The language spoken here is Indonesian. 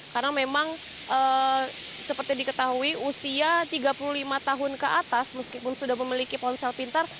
karena memang seperti diketahui usia tiga puluh lima tahun ke atas meskipun sudah memiliki ponsel pintar